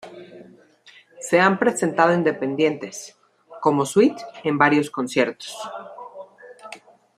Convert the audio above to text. Se han presentado independientes -como suite- en varios conciertos.